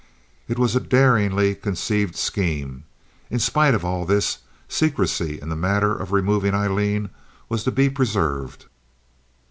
It was a daringly conceived scheme. In spite of all this, secrecy in the matter of removing Aileen was to be preserved.